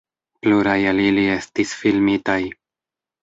Pluraj el ili estis filmitaj.